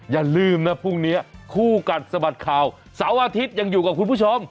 อย่าลืมนะพรุ่งนี้คู่กัดสะบัดข่าวเสาร์อาทิตย์ยังอยู่กับคุณผู้ชม